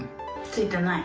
ついてない。